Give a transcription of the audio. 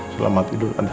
selamat tidur atta